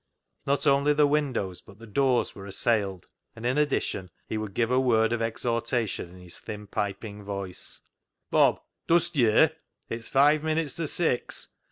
Not only the windows but the doors were assailed, and in addition he would give a word of exhortation in his thin piping voice —" Bob ! Dust ye'r ? It's five minutes to six